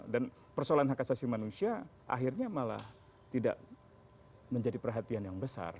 dan persoalan hak asasi manusia akhirnya malah tidak menjadi perhatian yang besar